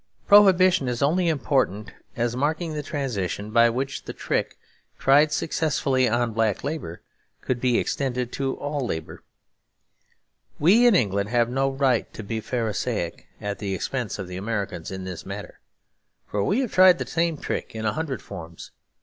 Prohibition is only important as marking the transition by which the trick, tried successfully on black labour, could be extended to all labour. We in England have no right to be Pharisaic at the expense of the Americans in this matter; for we have tried the same trick in a hundred forms.